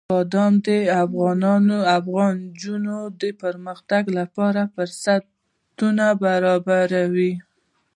بادام د افغان نجونو د پرمختګ لپاره فرصتونه برابروي.